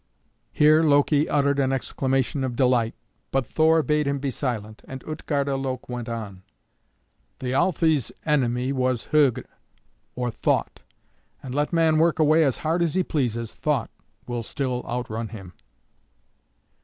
Here Loki uttered an exclamation of delight, but Thor bade him be silent, and Utgarda Loke went on: "Thialfe's enemy was Hugr, or Thought, and let man work away as hard as he pleases, Thought will still outrun him.